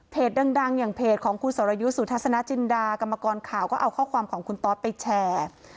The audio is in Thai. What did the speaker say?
ดังอย่างเพจของคุณสรยุทธ์สุทัศนจินดากรรมกรข่าวก็เอาข้อความของคุณตอสไปแชร์